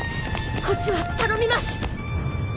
こっちは頼みます！